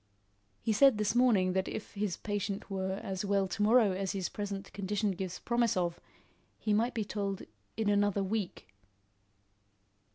"He said this morning that if his patient were as well to morrow as his present condition gives promise of, he might be told in another week."